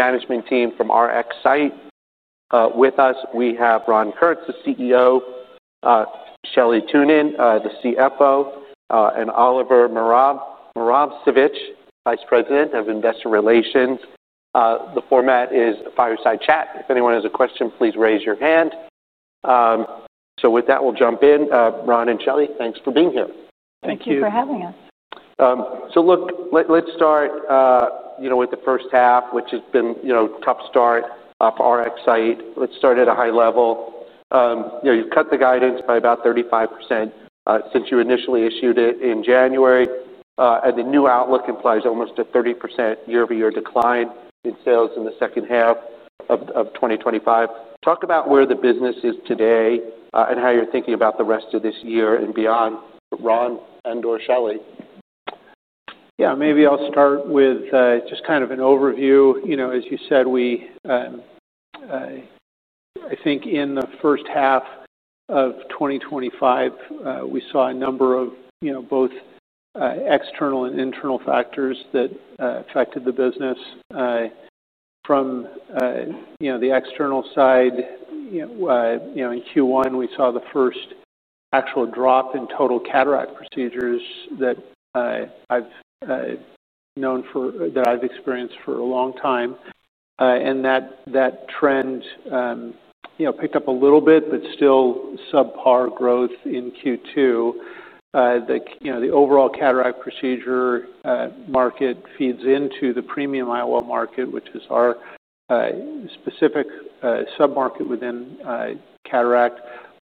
the management team from RxSight. With us, we have Ron Kurtz, the CEO Shelly Tunin, the CFO and Oliver Moravsevich, Vice President of Investor Relations. The format is fireside chat. If anyone has a question, please raise your hand. So with that, we'll jump in. Ron and Shelly, thanks for being here. Thank you for having us. So look, let's start with the first half, which has been tough start for RxSight. Let's start at a high level. You've cut the guidance by about 35% since you initially issued it in January. And the new outlook implies almost a 30% year over year decline in sales in the 2025. Talk about where the business is today and how you're thinking about the rest of this year and beyond, Ron and or Shelly? Yes, maybe I'll start with just kind of an overview. As you said, we I think in the 2025, we saw a number of both external and internal factors that affected the business. From the external side, in Q1, we saw the first actual drop in total cataract procedures that I've known for that I've experienced for a long time. And that trend picked up a little bit, but still subpar growth in Q2. The overall cataract procedure market feeds into the premium IOL market, which is our specific submarket within cataract.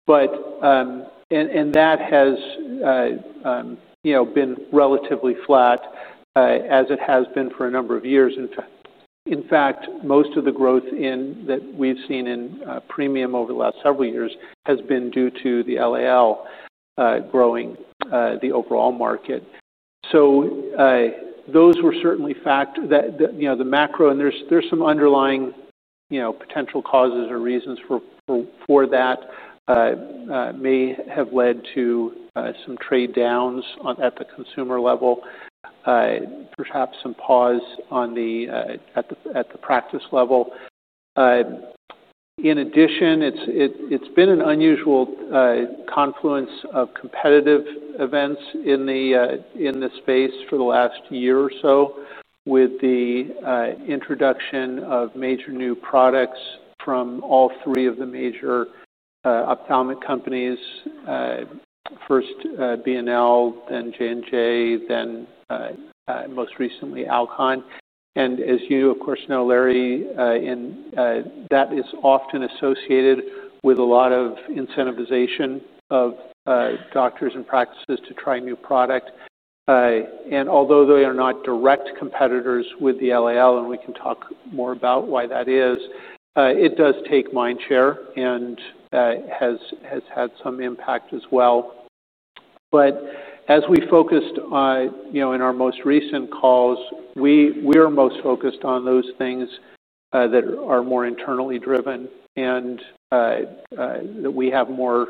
But and that has been relatively flat as it has been for a number of years. Fact, most of the growth in that we've seen in premium over the last several years has been due to the LAL growing the overall market. So those were certainly fact that the macro and there's some underlying potential causes or reasons for that may have led to some trade downs at the consumer level, perhaps some pause on the practice level. In addition, it's been an unusual confluence of competitive events in the space for the last year or so with the introduction of major new products from all three of the major ophthalmic companies, first BNL, then J and J, then most recently Alcon. And as you of course know, Larry, that is often associated with a lot of incentivization of doctors and practices to try new product. And although they are not direct competitors with the LAL and we can talk more about why that is, It does take mindshare and has had some impact as well. But as we focused in our most recent calls, we are most focused on those things that are more internally driven and that we have more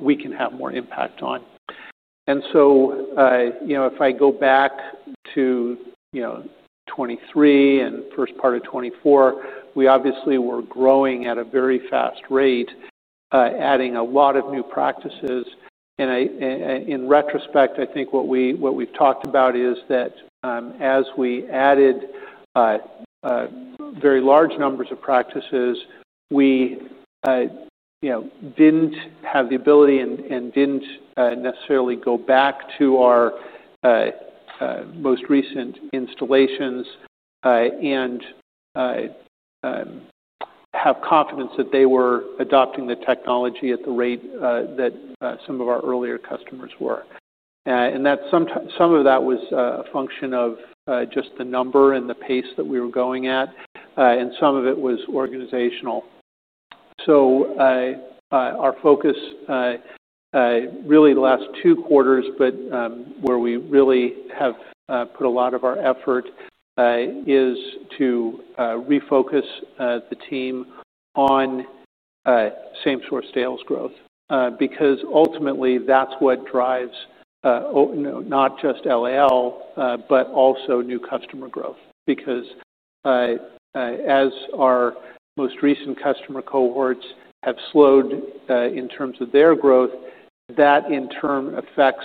we can have more impact on. And so, if I go back to 'twenty three and first part of 'twenty four, we obviously were growing at a very fast rate, adding a lot of new practices. And in retrospect, I think what we've talked about is that as we added very large numbers of practices, we didn't have the ability and didn't necessarily go back to our most recent installations and have confidence that they were adopting the technology at the rate that some of our earlier customers were. And that some of that was a function of just the number and the pace that we were going at and some of it was organizational. So our focus really the last two quarters, but where we really have put a lot of our effort is to refocus the team on same store sales growth, because ultimately that's what drives not just LAL, but also new customer growth. Because as our most recent customer cohorts have slowed in terms of their growth that in turn affects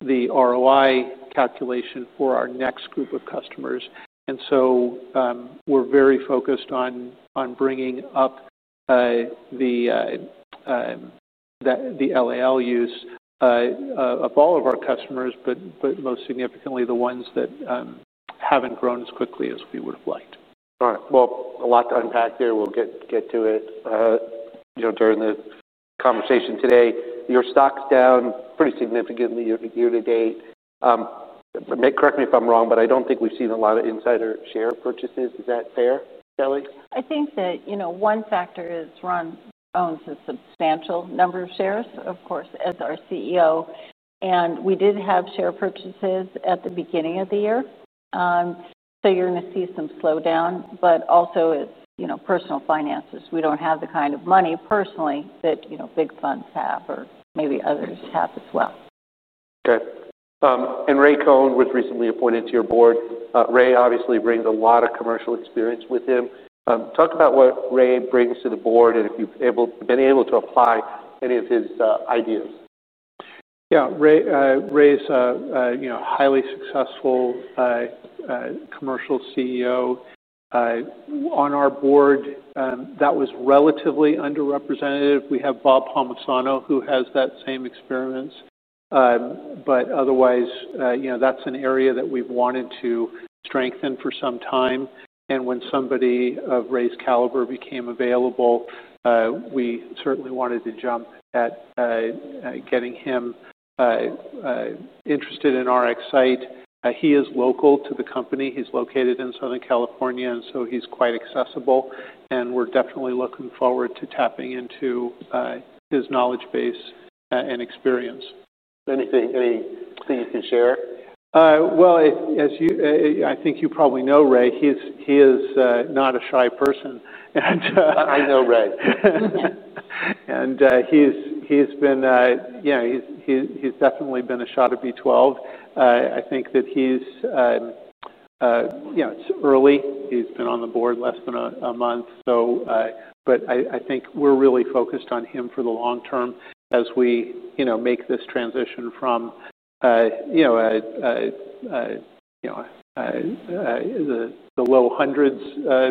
the ROI calculation for our next group of customers. And so we're very focused on bringing up LAL use of all of our customers, but most significantly the ones that haven't grown as quickly as we would have liked. All right. Well, a lot to unpack here. We'll get to it during the conversation today. Your stock is down pretty significantly year to date. Correct me if I'm wrong, but I don't think we've seen a lot of insider share purchases. Is that fair, Kelly? I think that one factor is Ron owns a substantial number of shares, of course, as our CEO. And we did have share purchases at the beginning of the year. So you're going to see some slowdown, but also personal finances, we don't have the kind of money personally that big funds have or maybe others have as well. Okay. And Ray Cohen was recently appointed to your board. Ray obviously brings a lot of commercial experience with him. Talk about what Ray brings to the board and if you've been able to apply any of his ideas? Yes, Ray is a highly successful commercial CEO. On our board that was relatively underrepresented. We have Bob Palmazano who has that same experience. But otherwise, that's an area that we've wanted to strengthen for some time. And when somebody of Ray's caliber became available, we certainly wanted to jump at getting him interested in RxSight. He is local He's located in Southern California and so he's quite accessible. And we're definitely looking forward to tapping into his knowledge base and experience. Anything you can share? Well, as you I think you probably know, Ray, he is not a shy person. I know Ray. And he's been yes, he's definitely been a shot at B12. I think that he's it's early, he's been on the board less than a month. So but I think we're really focused on him for the long term as we make this transition from the low hundreds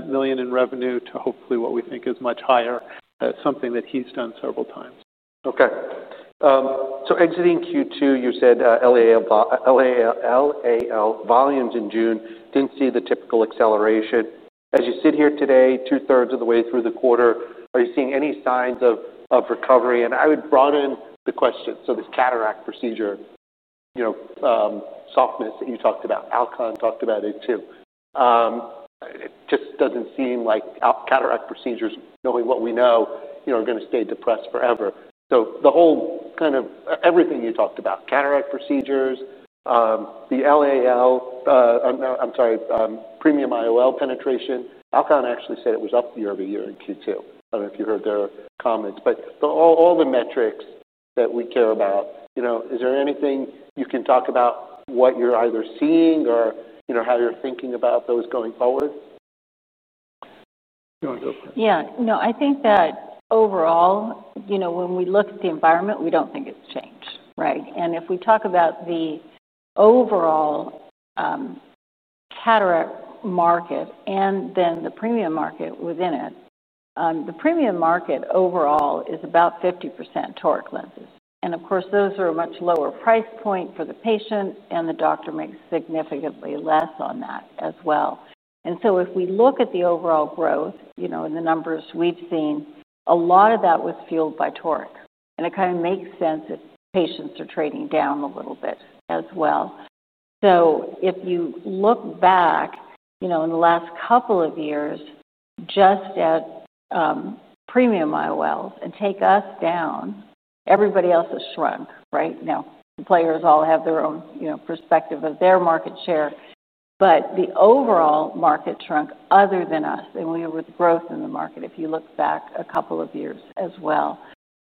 million in revenue to hopefully what we think is much higher, something that he's done several times. Okay. So exiting Q2, you said LAL volumes in June didn't see the typical acceleration. As you sit here today, two thirds of the way through the quarter, are you seeing any signs of recovery? And I would broaden the question. So this cataract procedure softness that you talked about, Alcon talked about it too. It just doesn't seem like cataract procedures, knowing what we know, are going to stay depressed forever. So the whole kind of everything you talked about cataract procedures, the LAL I'm sorry, premium IOL penetration, Alcon actually said it was up year over year in Q2. I don't know if you heard their comments, but all the metrics that we care about, is there anything you can talk about what you're either seeing or how you're thinking about those going forward? Yes. No, I think that overall, when we look at the environment, we don't think it's changed, right? And if we talk about the overall cataract market and then the premium market within it, the premium market overall is about 50% toric lenses. And of course, those are much lower price point for the patient and the doctor makes significantly less on that as well. And so if we look at the overall growth in the numbers we've seen, a lot of that was fueled by torque. And it kind of makes sense if patients are trading down a little bit as well. So if you look back, in the last couple of years, just as premium IOLs and take us down, everybody else has shrunk, right now. The players all have their own perspective of their market share. But the overall market trunk other than us and we have growth in the market if you look back a couple of years as well.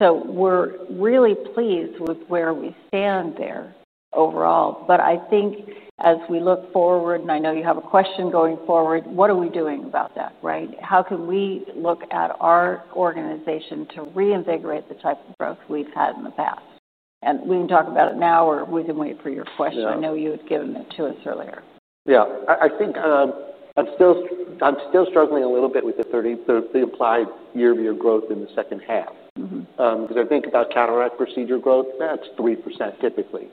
So we're really pleased with where we stand there overall. But I think as we look forward, and I know you have a question going forward, what are we doing about that, right? How can we look at our organization to reinvigorate the type of growth we've had in the past? And we can talk about it now or we can wait for your question. I know you had given it to us earlier. Yes. I think I'm still struggling a little bit with the implied year over year growth in the second half. Because I think about cataract procedure growth, that's 3% typically.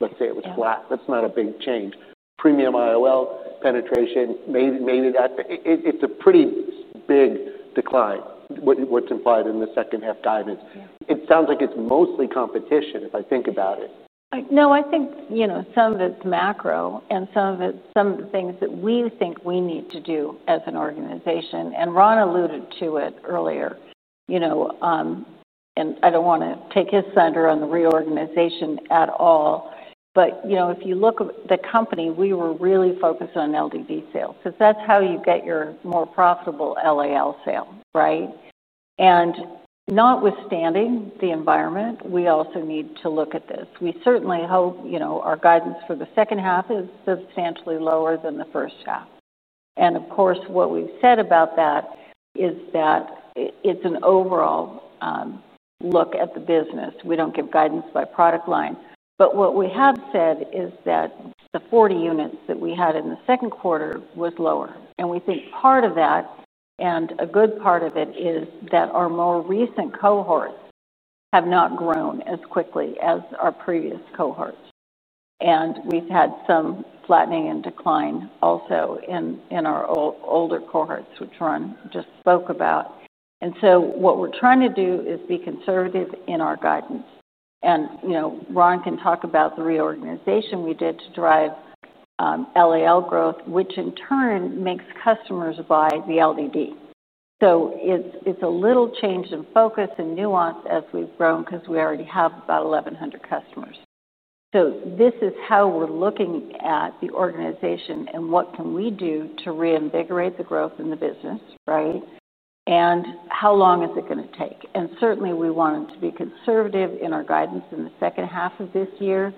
Let's say it was flat. That's not a big change. Premium IOL penetration, maybe that it's a pretty big decline, what's implied in the second half guidance. It sounds like it's mostly competition, if I think about it. No, I think some of it's macro and some of it some of the things that we think we need to do as an organization. And Ron alluded to it earlier. And I don't want to take his thunder on the reorganization at all. But if you look at the company, we were really focused on LDD sales, because that's how you get your more profitable LAL sale, right. And notwithstanding the environment, we also need to look at this. We certainly hope our guidance for the second half is substantially lower than the first half. And of course, what we've said about that is that it's an overall look at the business. We don't give guidance by product line. But what we have said is that the 40 units that we had in the second quarter was lower. And we think part of that and a good part of it is that our more recent cohorts have not grown as quickly as our previous cohorts. And we've had some flattening and decline also in our older cohorts, which Ron just spoke about. And so what we're trying to do is be conservative in our guidance. And Ron can talk about the reorganization we did to drive, LAL growth, which in turn makes customers buy the LDD. So it's a little change in focus and nuance as we've grown because we already have about 1,100 customers. So this is how we're looking at the organization and what can we do to reinvigorate the growth in the business, right? And how long is it going to take? And certainly, we wanted to be conservative in our guidance in the second half of this year,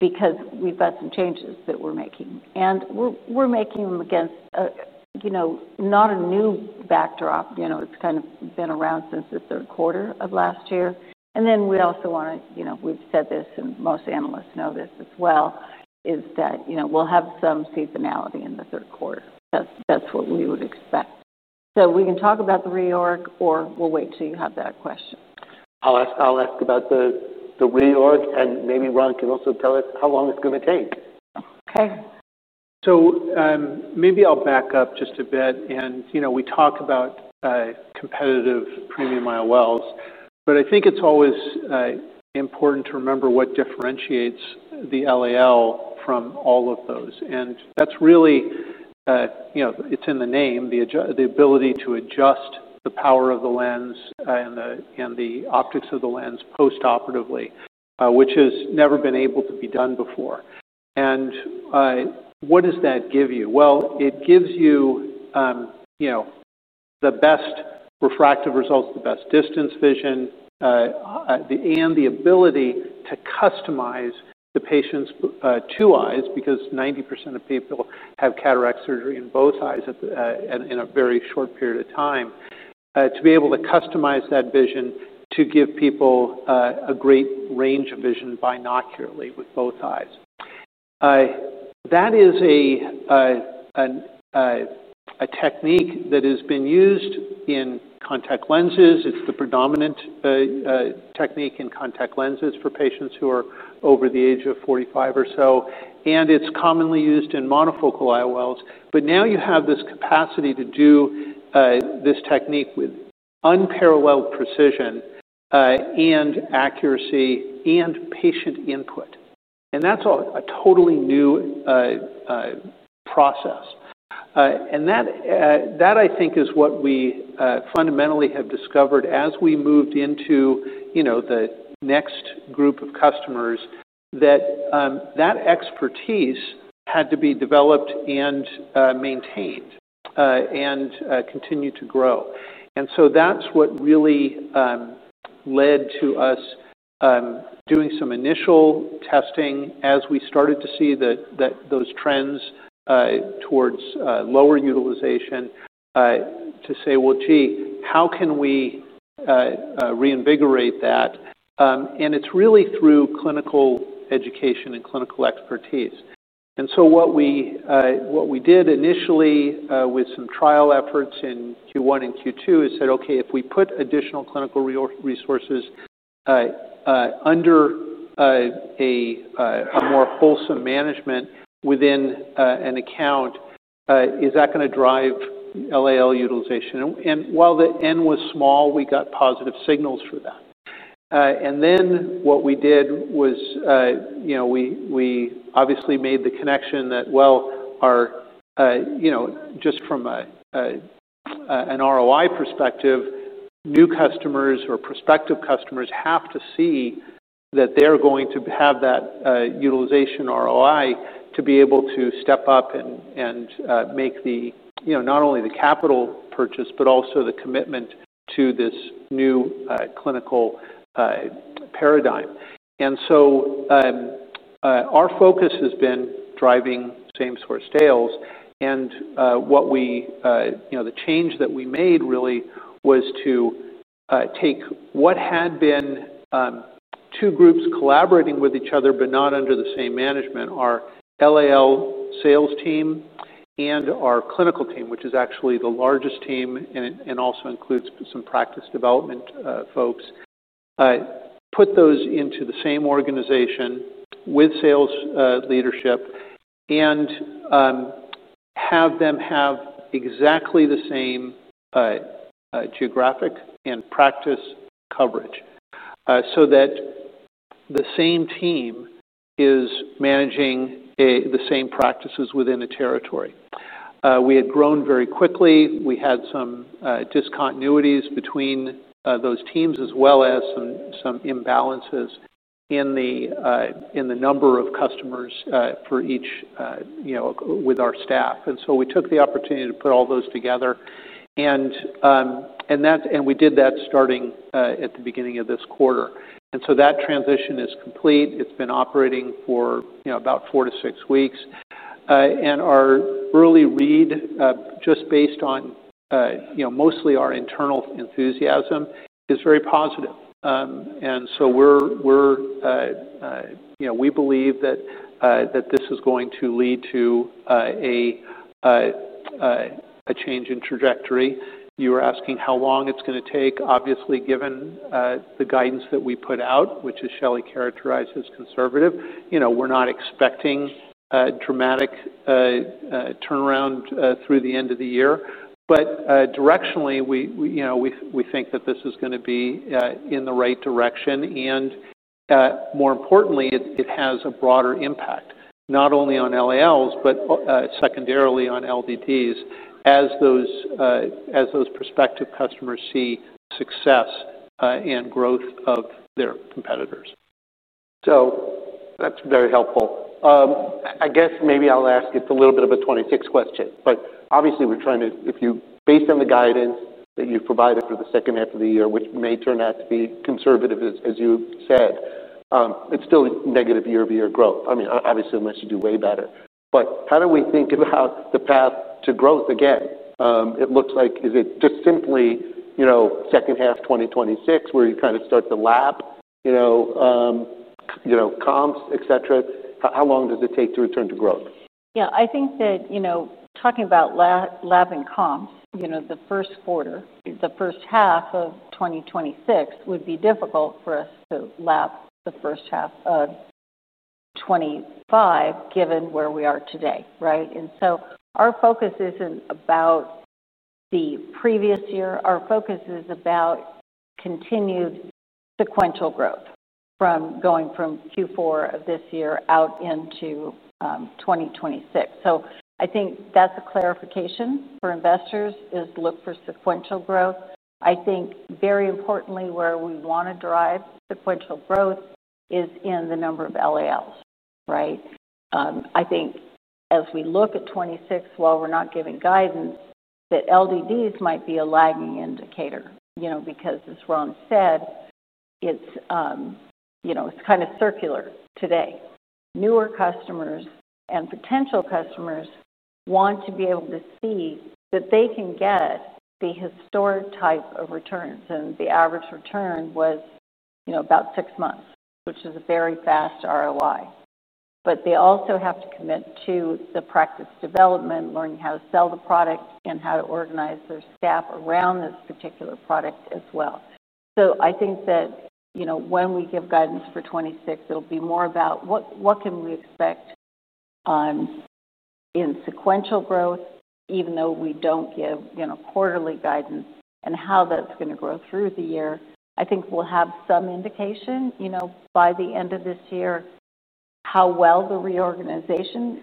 because we've got some changes that we're making. And we're making them against not a new backdrop, it's kind of been around since the third quarter of last year. And then we also want to we've said this and most analysts know this as well, is that we'll have some seasonality in the third quarter. That's what we would expect. So we can talk about the reorg or we'll wait till you have that question. I'll ask about the reorg and maybe Ron can also tell us how long it's going to take. Okay. So maybe I'll back up just a bit and we talked about competitive premium IOLs, but I think it's always important to remember what differentiates the LAL from all of those and that's really it's in the name, ability to adjust the power of the lens and the optics of the lens post operatively, which has never been able to be done before. And what does that give you? Well, it gives you the best refractive results, best distance vision and the ability to customize the patient's two eyes because ninety percent of people have cataract surgery in both eyes in a very short period of time to be able to customize that vision to give people a great range of vision binocularly with both eyes. That is a technique that has been used in contact lenses. It's the predominant technique in contact lenses for patients who are over the age of 45 or so. And it's commonly used in monofocal IOLs. But now you have this capacity to do this technique with unparalleled precision and accuracy and patient input. And that's a totally new process. And that I think is what we fundamentally have discovered as we moved into the next group of customers that expertise had to be developed and maintained and continue to grow. And so that's what really led to us doing some initial testing as we started to see that those trends towards lower utilization to say, gee, how can we reinvigorate that? And it's really through clinical education and clinical expertise. And so what we did initially with some trial efforts in Q1 and Q2 is that okay, we put additional clinical resources under a more wholesome management within an account is that going to drive LAL utilization. While the N was small, we got positive signals for that. And then what we did was, we obviously made the connection that well, just from an ROI perspective, new customers or prospective customers have to see that they're going to have that utilization ROI to be able to step up and make the not only the capital purchase, but also the commitment to this new clinical paradigm. And so our focus has been driving same store sales and what we the change that we made really was to take what had been two groups collaborating with each other, but not under the same management, our LAL sales team and our clinical team, which is actually the largest team and also includes some practice development folks, put those into the same organization with sales leadership and have them have exactly the same geographic and practice coverage. So that the same team is managing the same practices within the territory. We had grown very quickly. We had some discontinuities between those teams as well as some imbalances in the number of customers for each with our staff. And so we took the opportunity to put all those together. And and we did that starting at the beginning of this quarter. And so that transition is complete. It's been operating for about four to six weeks. And our early read just based mostly our internal enthusiasm is very positive. And so we believe that this is going to lead to a change in trajectory. You were asking how long it's going to take, obviously given the guidance that we put out, which is Shelly characterized as conservative. We're not expecting dramatic turnaround through the end of the year. But directionally, think that this is going to be in the right direction. And more importantly, it has a broader impact, not only on LALs, but secondarily on LDDs as those prospective customers see success and growth of their competitors. So that's very helpful. I guess maybe I'll ask, it's a little bit of a 26 question. But obviously, we're trying to if you based on the guidance that you provided for the second half of the year, which may turn out to be conservative, as you said, it's still negative year over year growth. I mean, obviously, unless you do way better. But how do we think about the path to growth again? It looks like is it just simply second half twenty twenty six, where you kind of start to lap comps, etcetera? How long does it take to return to growth? Yeah, I think that talking about lab and comps, the first quarter, the 2026 would be difficult for us to lap the '25 given where we are today, right. And so our focus isn't about the previous year, our focus is about continued sequential growth from going from Q4 of this year out into 2026. So I think that's a clarification for investors is look for sequential growth. I think very importantly, where we want to drive sequential growth is in the number of LALs, right. I think as we look at '26, while we're not giving guidance that LDDs might be a lagging indicator, because as Ron said, it's kind of circular today. Newer customers and potential customers want to be able to see that they can get the historic type of returns and the average return was about six months, which is a very fast ROI. But they also have to commit to the practice development, learning how to sell the product and how to organize their staff around this particular product as well. So I think that when we give guidance for 2026, it'll be more about what can we expect in sequential growth, even though we don't give quarterly guidance and how that's going to grow through the year. I think we'll have some indication by the end of this year, how well the reorganization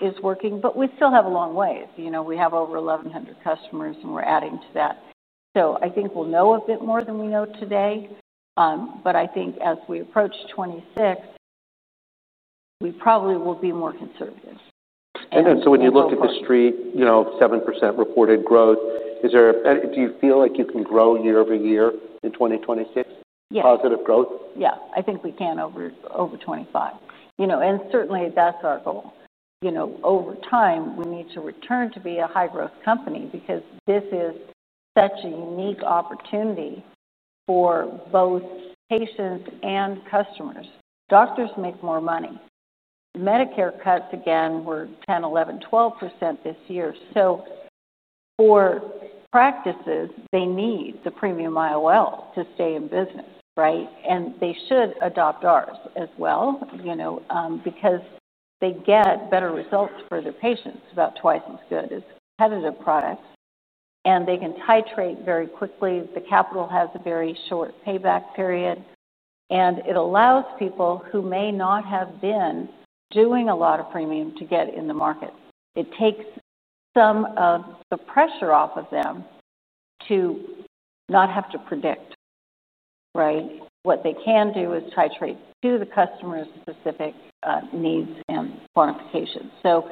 is working, but we still have a long way. We have over 1,100 customers and we're adding to that. So I think we'll know a bit more than we know today. But I think as we approach '26, we probably will be more conservative. And then so when you look at the street, 7% reported growth, is there do you feel like you can grow year over year in 2026, Yes, positive I think we can over 25%. And certainly, that's our goal. Over time, we need to return to be a high growth company, because this is such a unique opportunity for both patients and customers. Doctors make more money. Medicare cuts again were 10%, 11%, 12% this year. So for practices, they need the premium IOL to stay in business, right? And they should adopt ours as well, because they get better results for their patients about twice as good as competitive products. And they can titrate very quickly. The capital has a very short payback period. And it allows people who may not have been doing a lot of premium to get in the market. It takes some of the pressure off of them to not have to predict, right, what they can do is titrate to the customer's specific needs and quantification. So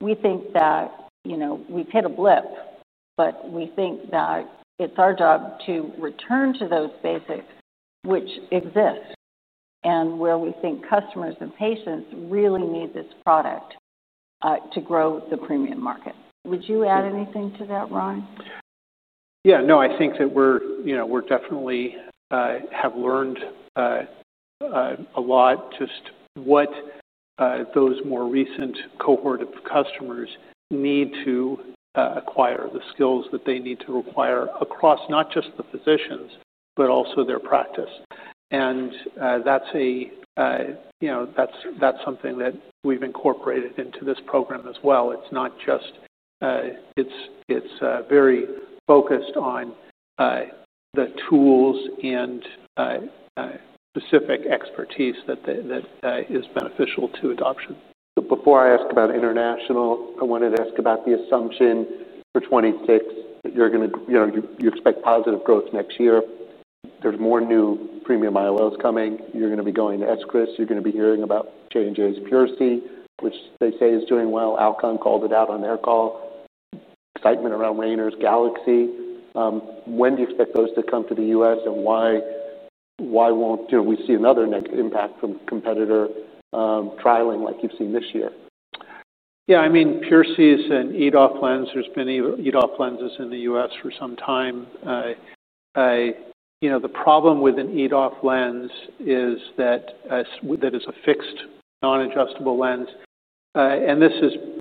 we think that we've hit a blip, but we think that it's our job to return to those basics, which exists and where we think customers and patients really need this product to grow the premium market. Would you add anything to that, Ryan? Yes, no, I think that we're definitely have learned a lot just what those more recent cohort of customers need to acquire the skills that they need to acquire across not just the physicians, but also their practice. And that's something that we've incorporated into this program as well. It's not just it's very focused on the tools and specific expertise that is beneficial to adoption. Before I ask about international, I wanted to ask about the assumption for 2026 that you're going to you expect positive growth next year. There's more new premium IOLs coming. You're going to be going to S Chris. You're going to be hearing about J and J's Pure C, which they say is doing well. Alcon called it out on their call. Excitement around Rayner's Galaxy. When do you expect those to come to The U. S? And why won't we see another negative impact from competitor trialing like you've seen this year? Yes, mean, PUREC is an EDOF lens, there's been EDOF lenses in The U. S. For some time. The problem with an EDOF lens is that that is a fixed non adjustable lens. And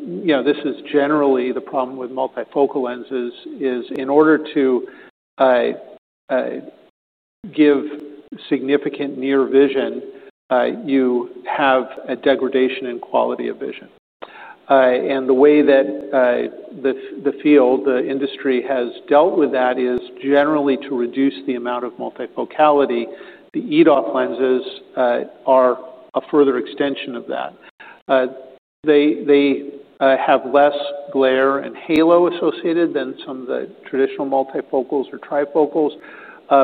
this is generally the problem with multifocal lenses is in order to give significant near vision, you have a degradation in quality of vision. And the way that the field, the industry has dealt with that is generally to reduce the amount of multifocality, the EDOF lenses are a further extension of that. They have less glare and halo associated than some of the traditional multifocals or trifocals,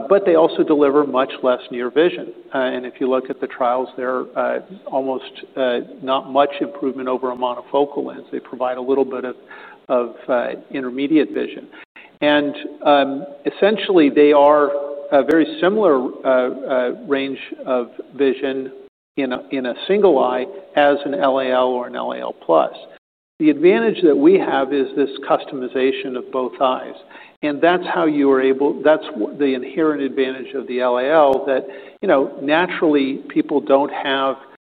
but they also deliver much less near vision. And if you look at the trials, they're almost not much improvement over a monofocal lens. They provide a little bit of intermediate vision. And essentially they are a very similar range of vision in a single eye as an LAL or an LAL plus The advantage that we have is this customization of both eyes. And that's how you are able, that's the inherent advantage of the LAL that you know naturally people don't have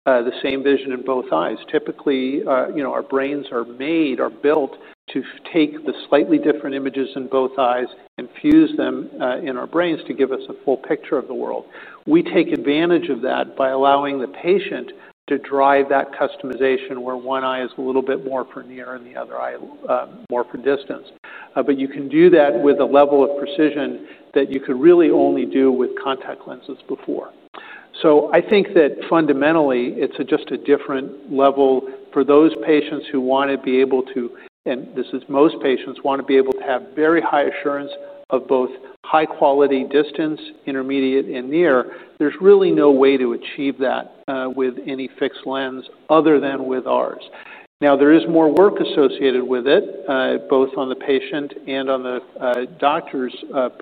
the same vision in both eyes. Typically, you know our brains are made or built to take the slightly different images in both eyes and fuse them in our brains to give us a full picture of the world. We take advantage of that by allowing the patient to drive that customization where one eye is a little bit more for near and the other eye more for distance. But you can do that with a level of precision that you could really only do with contact lenses before. So I think that fundamentally it's just a different level for those patients who want to be able to and this is most patients want to be able to have very high assurance of both high quality distance, intermediate and near. There's really no way to achieve that with any fixed lens other than with ours. Now there is more work associated with it, both on the patient and on the doctor's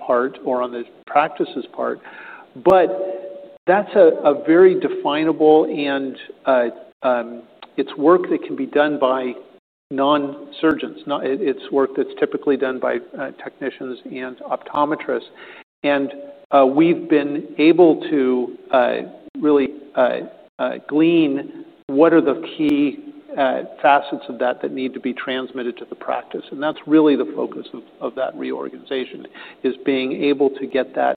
part or on the practices part. But that's a very definable and it's work that can be done by non surgeons, it's work that's typically done by technicians and optometrists. And we've been able to really glean what are the key facets of that that need to be transmitted to the practice. And that's really the focus of that reorganization is being able to get that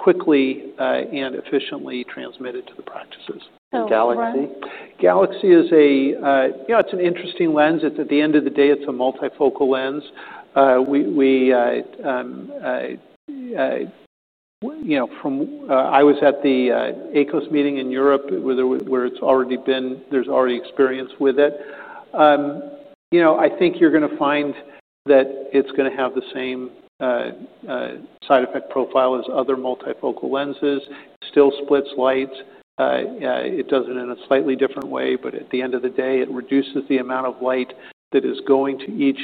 quickly and efficiently transmitted to the practices. Galaxy is a it's an interesting lens. It's at the end of the day, it's a multifocal lens. Was at the ACoS meeting in Europe, where it's already been, there's already experience with it. I think you're going to find that it's going to have the same side effect profile as other multifocal lenses, still splits light. It does it in a slightly different way. But at the end of the day, it reduces the amount of light that is going to each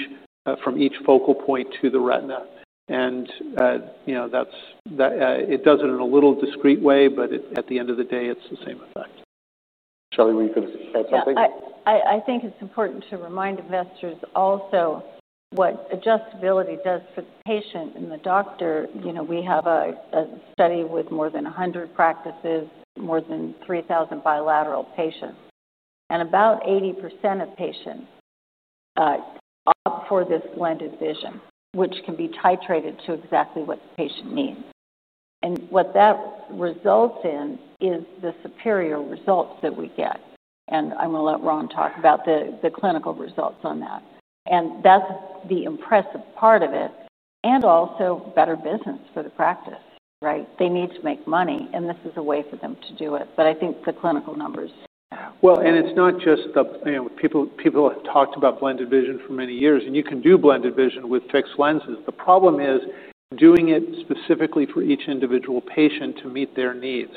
from each focal point to the retina. And that's it does it in a little discrete way, but at the end of the day, it's the same effect. Shelly, were you going to add something? Yes. I think it's important to remind investors also what adjustability does for the patient and the doctor. We have a study with more than 100 practices, more than 3,000 bilateral patients, and about eighty percent of patients opt for this blended vision, which can be titrated to exactly what the patient needs. And what that results in is the superior results that we get. And I'm going let Ron talk about the clinical results on that. And that's the impressive part of it, and also better business for the practice, right? They need to make money and this is a way for them to do it. But I think the clinical numbers. Well, and it's not just people have talked about blended vision for many years and you can do blended vision with fixed lenses. The problem is doing it specifically for each individual patient to meet their needs.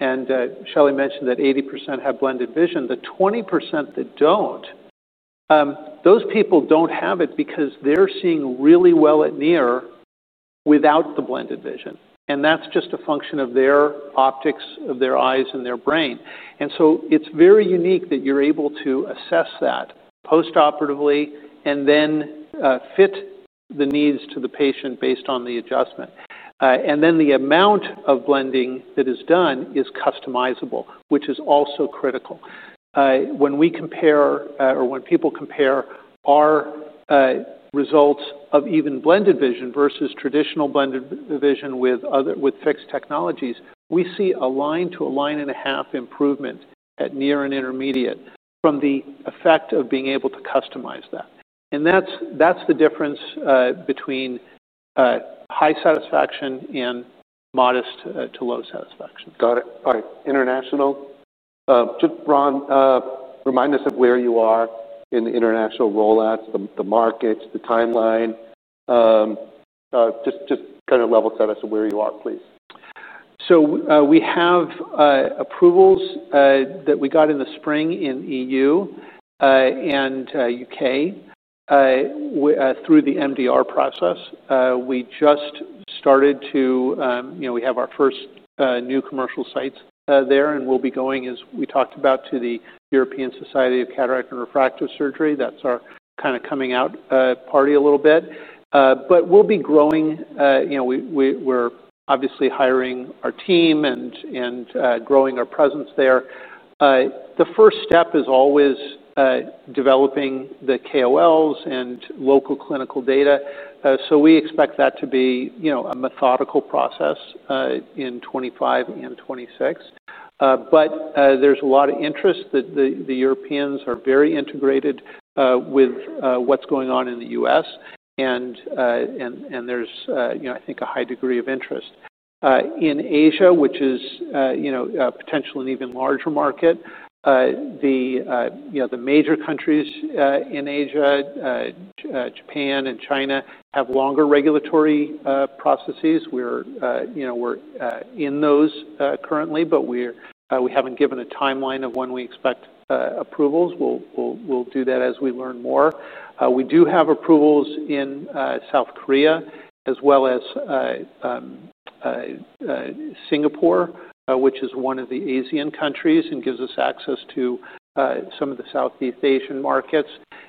And Shelly mentioned that eighty percent have blended vision, the twenty percent that don't, those people don't have it because they're seeing really well at NIER without the blended vision and that's just a function of their optics of their eyes and their brain. And so it's very unique that you're able to assess that postoperatively and then fit the needs to the patient based on the adjustment. And then the amount of blending that is done is customizable, which is also critical. When we compare or when people compare our results of even blended vision versus traditional blended vision with fixed technologies, we see a line to a line and a half improvement at near and intermediate from the effect of being able to customize that. And that's the difference between high satisfaction and modest to low satisfaction. Got it. All right. International, just Ron, remind us of where you are in international rollouts, markets, the timeline, just kind of level set us where you are, please? So we have approvals that we got in the spring in EU and UK through the MDR process. We just started to we have our first new commercial sites there and we'll be going as we talked about to the European Society of Cataract and Refractive Surgery, that's our kind of coming out party a little bit. But we'll be growing, we're obviously hiring our team and growing our presence there. The first step is always developing the KOLs and local clinical data. So we expect that to be a methodical process in 'twenty five and 'twenty six. But there's a lot of interest that the Europeans are very integrated with what's going on in The U. S. And there's I think a high degree of interest. In Asia, which is potentially an even larger market, the major countries in Asia, Japan and China have longer regulatory processes. We're in those currently, but we haven't given a timeline of when we expect approvals. We'll do that as we learn more. We do have approvals in South Korea, as well as Singapore, which is one of the Asian countries and gives us access to some of the Southeast Asian markets.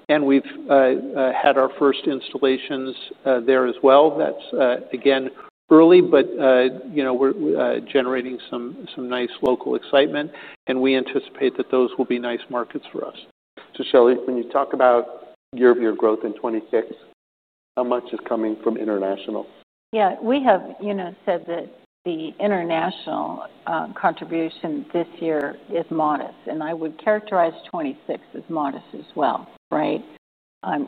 And we've had our first installations there as well. That's again early, but we're generating some nice local excitement and we anticipate that those will be nice markets for us. So Shelly, when you talk about year over year growth in '26, how much is coming from international? Yes, we have said that the international contribution this year is modest and I would characterize '26 as modest as well, right?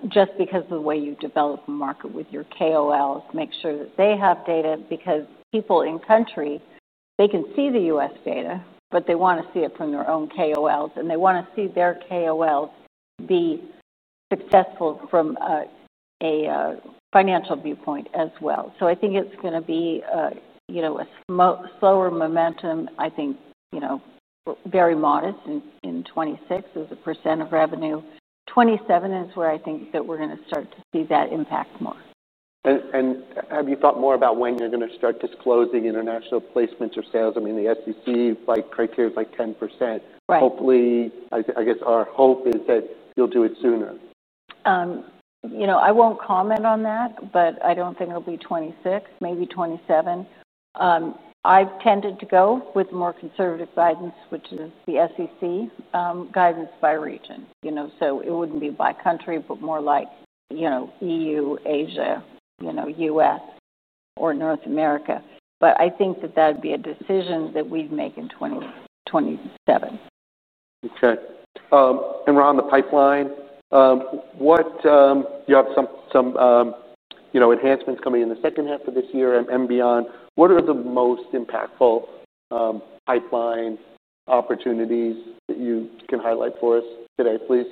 Just because the way you develop the market with your KOLs, make sure that they have data because people in country, they can see The U. S. Data, but they want to see it from their own KOLs and they want to see their KOLs be successful from a financial viewpoint as well. So I think it's going to be a slower momentum, think, very modest in '26 as a percent of revenue, 27% is where I think that we're going to start to see that impact more. And have you thought more about when you're going to start disclosing international placements or sales? I mean, the SEC by criteria is like 10%. Hopefully, I guess, hope is that you'll do it sooner. I won't comment on that, but I don't think it'll be '26, maybe '27. I've tended to go with more conservative guidance, which is the SEC guidance by region. So it wouldn't be by country, but more like EU, Asia, U. S. Or North America. But I think that that'd be a decision that we'd make in '27. Okay. And around the pipeline, what you have some enhancements coming in the second half of this year and beyond. What are the most impactful pipeline opportunities that you can highlight for us today, please?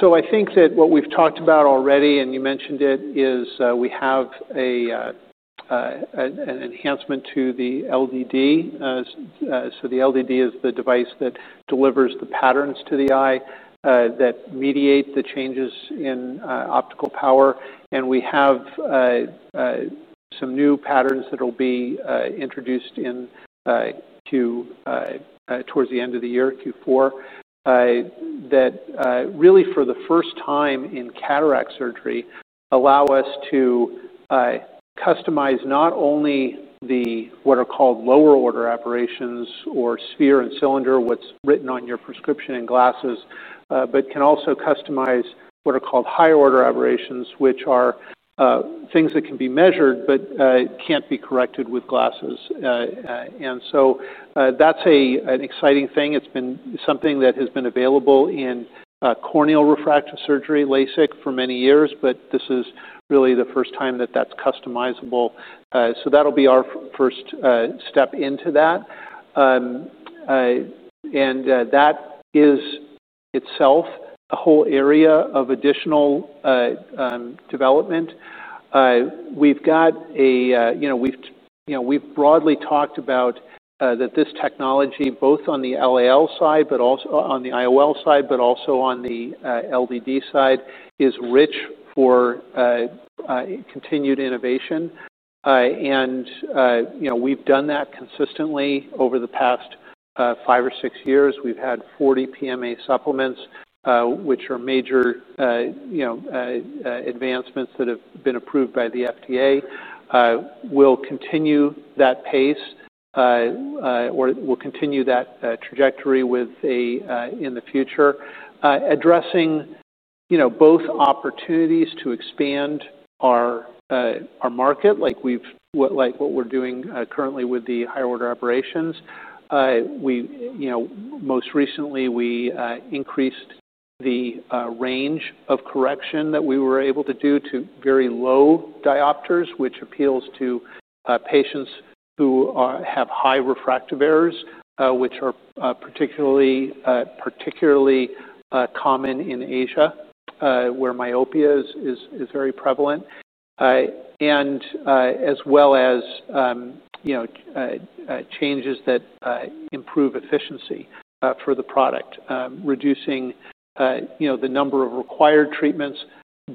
So I think that what we've talked about already and you mentioned it is we have an enhancement to the LDD. So the LDD is the device that delivers the patterns to the eye that mediate the changes in optical power and we have some new patterns that will be introduced in towards the end of the year Q4 that really for the first time in cataract surgery allow us to customize not only the what are called lower order aberrations or sphere and cylinder what's written on your prescription and glasses, but can also customize what are called higher order aberrations which are things that can be measured, but can't be corrected with glasses. And so that's an exciting thing. It's been something that has been available in corneal refractive surgery, LASIK for many years, but this is really the first time that that's customizable. So that'll be our first step into that. And that is itself a whole area of additional development. We've got a we've broadly talked about that this technology both on the IOL side, but also on the LDD side is rich for continued innovation. And we've done that consistently over the past five or six years. We've had 40 PMA supplements, which are major advancements that have been approved by the FDA. We'll continue that pace or we'll continue that trajectory with in the future addressing both opportunities to expand our market like we've what like what we're doing currently with the higher order operations. We most recently we increased the range of correction that we were able to do to very low diopters, which appeals to patients who have high refractive errors, which are particularly common in Asia, where myopia is very prevalent and as well as changes that improve efficiency for the product, reducing the number of required treatments,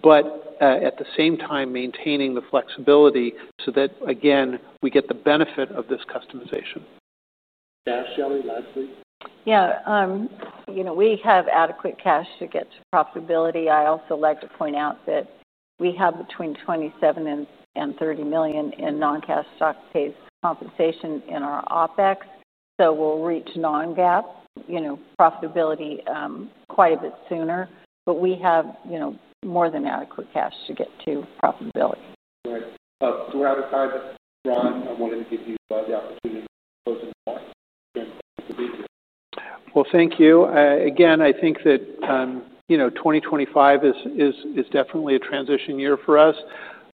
but at the same time maintaining the flexibility so that again, we get the benefit of this customization. Yes, Shelly, lastly. Yes, we have adequate cash to get to profitability. I also like to point out that we have between 27,000,000 and $30,000,000 in non cash stock based compensation in our OpEx. So we'll reach non GAAP profitability quite a bit sooner, but we have more than adequate cash to get to profitability. Right. Well, thank you. Again, I think that 2025 is definitely a transition year for us.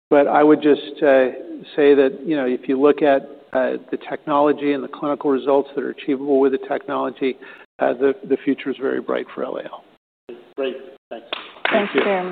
But I would just say that if you look at the technology and the clinical results that are achievable with the technology, the future is very bright for LAL. Great. Thanks. Thank you very